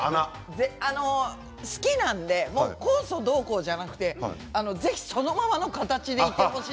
好きなんで酵素どうこうじゃなくてそのままの形でいてほしい。